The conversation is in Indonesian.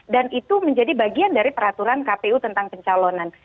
dan itu menjadi bagian dari peraturan kpu tentang pencalonan